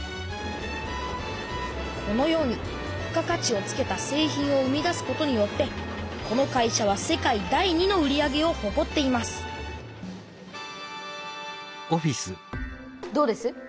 このように付加価値をつけた製品を生み出すことによってこの会社は世界第２の売り上げをほこっていますどうです？